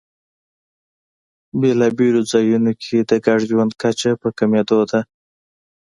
بېلابېلو ځایونو کې د ګډ ژوند کچه په کمېدو ده.